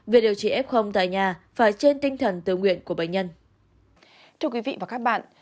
việc điều trị f tại nhà phải trên tinh thần tư nguyện của bệnh nhân